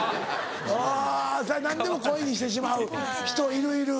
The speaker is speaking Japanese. あぁ何でも声にしてしまう人いるいる。